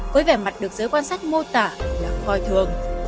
với vẻ mặt được giới quan sát mô tả là coi thường